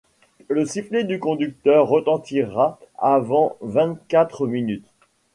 le sifflet du conducteur retentira avant vingt-quatre minutes…